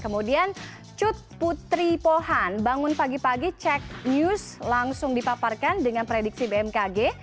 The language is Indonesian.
kemudian cut putri pohan bangun pagi pagi cek news langsung dipaparkan dengan prediksi bmkg